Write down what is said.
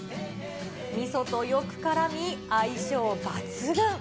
みそとよくからみ、相性抜群。